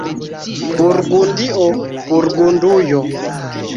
Burgundio, Burgundujo.